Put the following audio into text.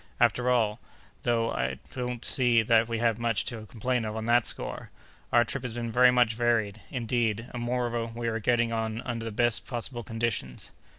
"After all, though, I don't see that we have much to complain of on that score. Our trip has been very much varied, indeed; and, moreover, we are getting on under the best possible conditions."